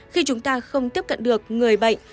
khi chúng ta không tiếp cận được người bệnh